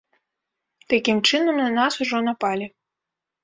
Такім чынам, на нас ужо напалі.